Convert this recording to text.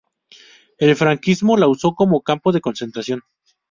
El franquismo la usó como Campo de Concentración.